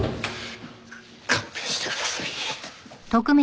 勘弁してください。